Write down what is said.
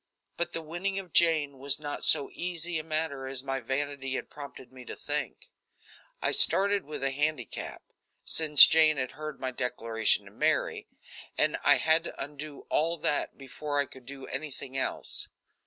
But the winning of Jane was not so easy a matter as my vanity had prompted me to think. I started with a handicap, since Jane had heard my declaration to Mary, and I had to undo all that before I could do anything else.